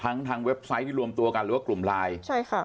ทั้งทางเว็บไซต์ที่รวมตัวกันหรือว่ากลุ่มไลน์ใช่ค่ะ